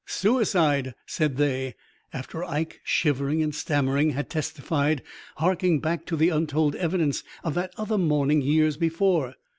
'Suicide,' said they, after Ike, shivering and stammering, had testified, harking back to the untold evidence of that other morning years before.